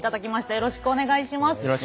よろしくお願いします。